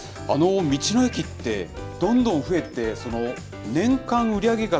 道の駅って、どんどん増えて、年間売り上げ額